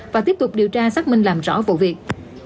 và tiếp tục điều tra xác minh làm rõ vụ việc